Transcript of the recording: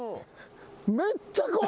めっちゃ怖い！